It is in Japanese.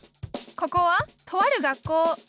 ここはとある学校。